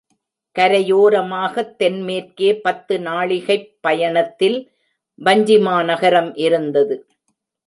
கரையோரமாகத் தென்மேற்கே பத்து நாழிகைப் பயணத்தில் வஞ்சிமாநகரம் இருந்தது.